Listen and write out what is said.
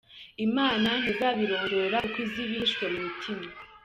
Imana ntizabirondōra, Kuko izi ibihishwe mu mutima?